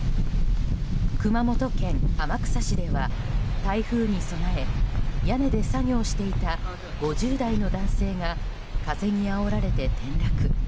熊本県天草市では台風に備え屋根で作業していた５０代の男性が風にあおられて転落。